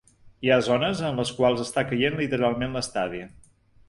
Hi ha zones en les quals està caient literalment l’estadi.